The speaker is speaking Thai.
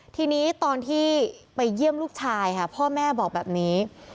ทีนี้ตอนที่ไปเยี่ยมลูกชายค่ะพ่อแม่บอกแบบนี้